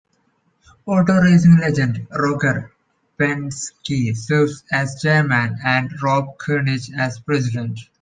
Auto racing legend Roger Penske serves as chairman, and Rob Kurnick as president.